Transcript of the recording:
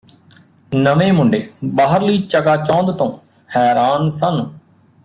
ਨਵੇਂ ਮੁੰਡੇ ਬਾਹਰਲੀ ਚਕਾਚੌਂਧ ਤੋਂ ਹੈਰਾਨ ਸਨ